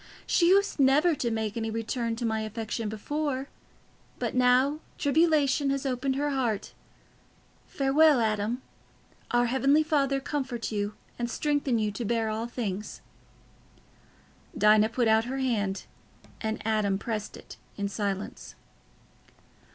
She used never to make any return to my affection before, but now tribulation has opened her heart. Farewell, Adam. Our heavenly Father comfort you and strengthen you to bear all things." Dinah put out her hand, and Adam pressed it in silence.